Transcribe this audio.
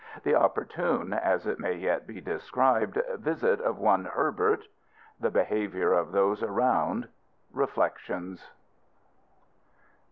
The opportune (as it may yet be described) visit of one Herbert. The behaviour of those around. Reflections.